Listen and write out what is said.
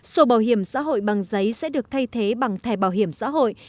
sổ bảo hiểm xã hội bằng giấy sẽ được thay thế bằng thẻ bảo hiểm xã hội